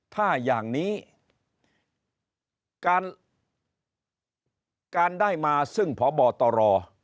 ถ้าอย่างนี้การได้มาซึ่งพบตร